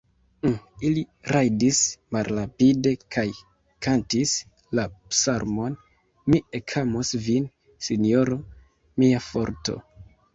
Ili rajdis malrapide kaj kantis la psalmon: "Mi ekamos Vin, Sinjoro, mia Forto!"